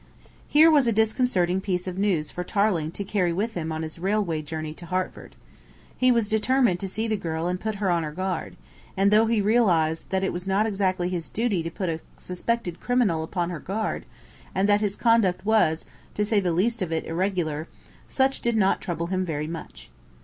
Here was a disconcerting piece of news for Tarling to carry with him on his railway journey to Hertford. He was determined to see the girl and put her on her guard, and though he realised that it was not exactly his duty to put a suspected criminal upon her guard, and that his conduct was, to say the least of it, irregular, such did not trouble him very much.